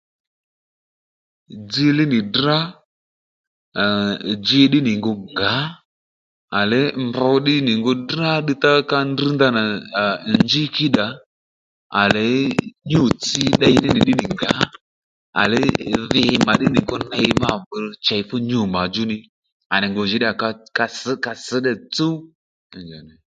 Dziylíy nì drá à à dji ddí nì ngu ngǎ, à le mb ddí nì ngu drá ddiy tá ka drŕ ndanà à njí kíyddà à le nyû-tsi tdey nì ní nì ddí nì ngǎ à ley dhi mà ddí nì kǒ chěy fú nyû mà djú ddí à nì ngu jì ka sš ka sš ddíyà tsúw